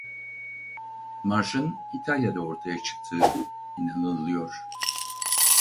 Marşın İtalya'da ortaya çıktığı inanılıyor.